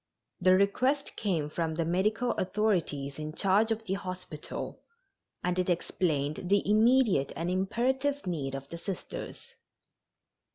The request came from the medical authorities in charge of the hospital, and it explained the immediate and imperative need of the Sisters.